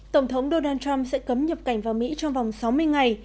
tổng thống donald trump sẽ cấm nhập cảnh vào mỹ trong vòng sáu mươi ngày